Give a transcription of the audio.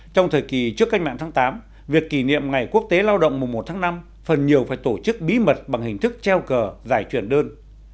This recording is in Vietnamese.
trong thời kỳ trước cách mạng tháng tám việc kỷ niệm ngày quốc tế lao động mùa một tháng năm phần nhiều phải tổ chức bí mật bằng hình thức treo cờ giải truyền đơn